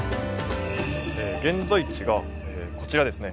現在地がこちらですね。